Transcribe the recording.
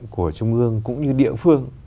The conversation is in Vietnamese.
của trung ương cũng như địa phương